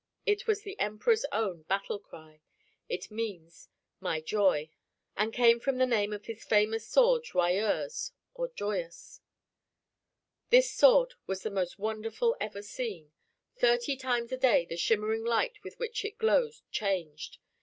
It was the Emperor's own battle cry. It means "My joy," and came from the name of his famous sword Joyeuse or joyous. This sword was the most wonderful ever seen. Thirty times a day the shimmering light with which it glowed changed.